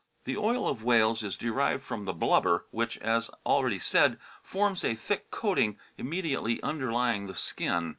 The oil of whales is derived from the blubber, which, as already said, forms a thick coating imme diately underlying the skin.